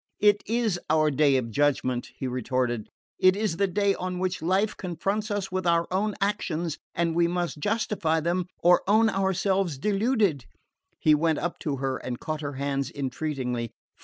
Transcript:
"It IS our day of judgment," he retorted. "It is the day on which life confronts us with our own actions, and we must justify them or own ourselves deluded." He went up to her and caught her hands entreatingly.